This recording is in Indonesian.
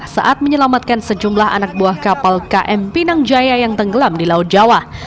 saat menyelamatkan sejumlah anak buah kapal km pinang jaya yang tenggelam di laut jawa